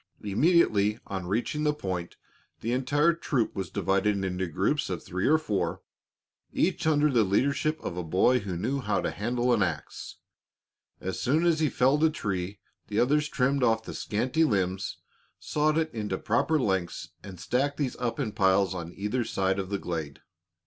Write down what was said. Immediately on reaching the point, the entire troop was divided into groups of three or four, each under the leadership of a boy who knew how to handle an ax. As soon as he felled a tree the others trimmed off the scanty limbs, sawed it into proper lengths, and stacked these up in piles on either side of the glade.